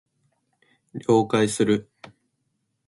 了解する